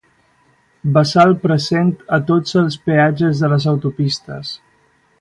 Bassal present a tots els peatges de les autopistes.